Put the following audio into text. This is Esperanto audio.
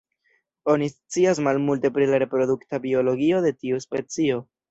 Oni scias malmulte pri la reprodukta biologio de tiu specio.